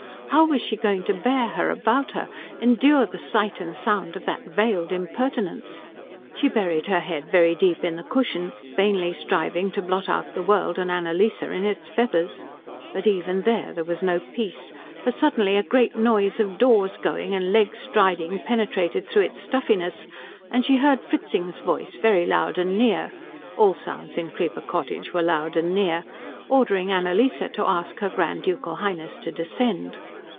How was she going to bear her about her, endure the sight and sound of that veiled impertinence? She buried her head very deep in the cushion, vainly striving to blot out the world and Annalise in its feathers, but even there there was no peace, for suddenly a great noise of doors going and legs striding penetrated through its stuffiness and she heard Fritzing's voice very loud and near all sounds in Creeper Cottage were loud and near ordering Annalise to ask her Grand Ducal Highness to descend.